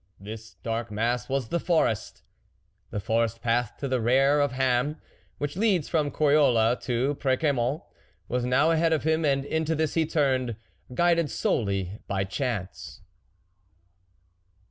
This dark mass was the forest. The forest path to the rear of Ham, which leads from Groyolles to Precia mont, was now ahead of him, and into this he turned, guided solely by chance.